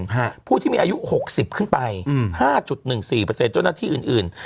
๔ฮะผู้ที่มีอายุหกสิบขึ้นไปอืม๕๑๔โจทย์หน้าที่อื่นอื่น